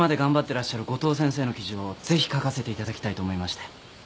てらっしゃる五島先生の記事をぜひ書かせていただきたいと思いまして。